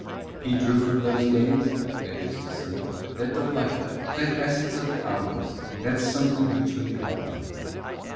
He drew from those days (that is to say) that delight, that essence of hours, that something which we call life.